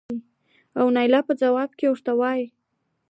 او نايله په ځواب کې ورته وايې